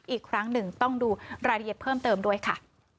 อีกครั้งหนึ่งต้องดูรายละเอียดเพิ่มเติมด้วยค่ะ